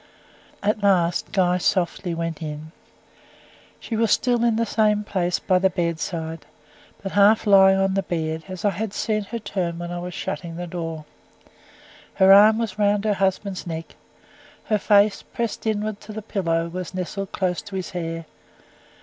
At last Guy softly went in. She was still in the same place by the bed side, but half lying on the bed, as I had seen her turn when I was shutting the door. Her arm was round her husband's neck; her face, pressed inwards to the pillow, was nestled close to his hair.